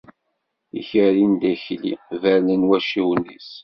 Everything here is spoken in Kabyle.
Ikerri n Dda Akli bernen wacciwen-is.